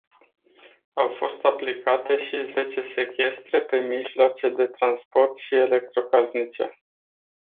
Au fost aplicate și zece sechestre pe mijloace de transport și electrocasnice.